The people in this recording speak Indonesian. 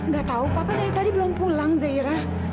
gak tau papa dari tadi belum pulang zaira